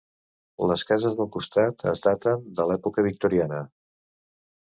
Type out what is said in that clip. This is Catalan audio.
Les cases del costat est daten de l'època victoriana.